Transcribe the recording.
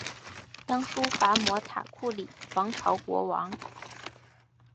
鸯输伐摩塔库里王朝国王。